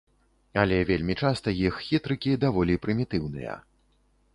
Але вельмі часта іх хітрыкі даволі прымітыўныя.